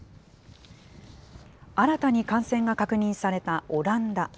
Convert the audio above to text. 新たに感染が確認されたオランダ。